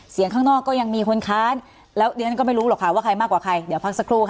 ข้างนอกก็ยังมีคนค้านแล้วดิฉันก็ไม่รู้หรอกค่ะว่าใครมากกว่าใครเดี๋ยวพักสักครู่ค่ะ